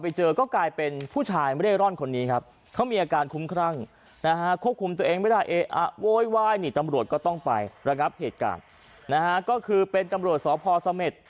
ไปดูจังหวัดนิดหน่อยนะครับ